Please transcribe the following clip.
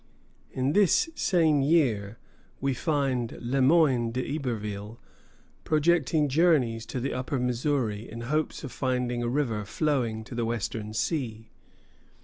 In this same year we find Le Moyne d'Iberville projecting journeys to the upper Missouri, in hopes of finding a river flowing to the Western Sea.